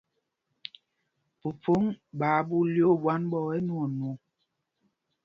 Phúphōŋ ɓaa ɓu lyoo ɓwán ɓɔ̄ɔ̄ ɛnwɔɔnwɔŋ.